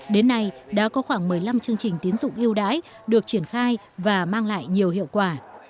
đến nay đã có khoảng một mươi năm chương trình tiến dụng yêu đái được triển khai và mang lại nhiều hiệu quả